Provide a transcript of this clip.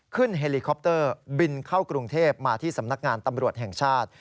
เฮลิคอปเตอร์บินเข้ากรุงเทพมาที่สำนักงานตำรวจแห่งชาติ